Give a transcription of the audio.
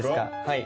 はい。